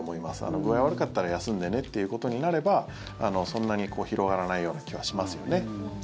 具合悪かったら休んでねっていうことになればそんなに広がらないような気はしますよね。